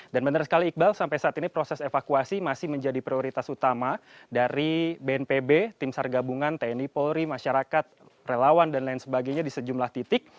dan benar sekali iqbal sampai saat ini proses evakuasi masih menjadi prioritas utama dari bnpb tim sargabungan tni polri masyarakat relawan dan lain sebagainya di sejumlah titik